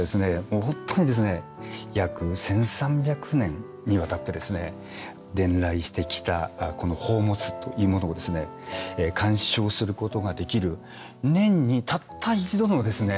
もう本当にですね約１，３００年にわたってですね伝来してきたこの宝物というものをですね鑑賞することができる年にたった一度のですね。